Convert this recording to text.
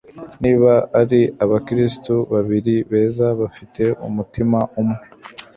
Niba ari abakristo babiri beza bafite umutima umwe